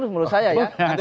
menurut saya ya